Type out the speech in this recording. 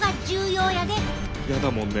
嫌だもんね。